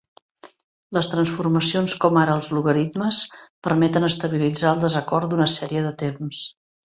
Les transformacions com ara els logaritmes permeten estabilitzar el desacord d'una sèrie de temps.